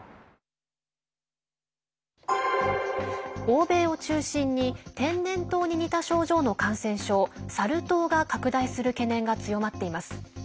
欧米を中心に天然痘に似た症状の感染症サル痘が拡大する懸念が強まっています。